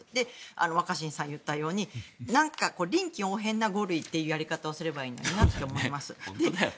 若新さんが言ったように臨機応変な５類というやり方をすればいいのになと思います。